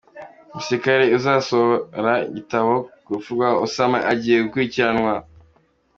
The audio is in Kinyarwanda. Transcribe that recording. Umusirikari uzasohora igitabo ku rupfu rwa Osama agiye gukurukiranwa